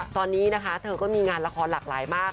ตอนนี้นะคะเธอก็มีงานละครหลากหลายมาก